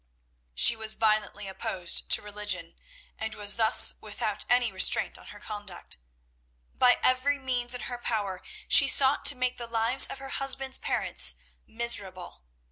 She was violently opposed to religion, and was thus without any restraint on her conduct. By every means in her power she sought to make the lives of her husband's parents miserable.